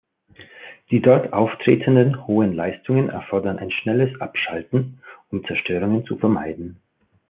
Die dort auftretenden hohen Leistungen erfordern ein schnelles Abschalten, um Zerstörungen zu vermeiden.